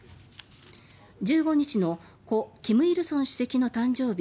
１５日の故・金日成主席の誕生日